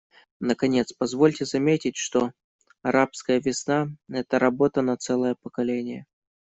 Наконец, позвольте заметить, что «арабская весна» — это работа на целое поколение.